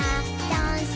ダンス！